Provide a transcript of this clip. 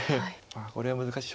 これは難しい。